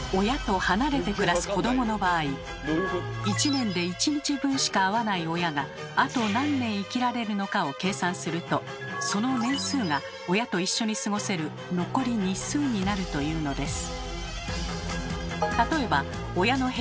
１年で１日分しか会わない親があと何年生きられるのかを計算するとその年数が親と一緒に過ごせる残り日数になるというのです。